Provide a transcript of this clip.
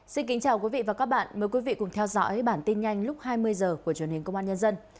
xin kính chào quý vị và các bạn mời quý vị cùng theo dõi bản tin nhanh lúc hai mươi h của truyền hình công an nhân dân